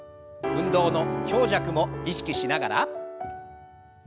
運動の強弱も意識しながら。